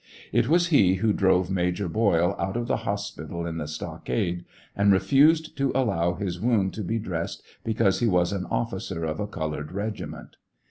It was he who drove Major Boyle out of the hospital in the stockade, and refused to allow his wound to be dressed because he was an officer of a colored regiment.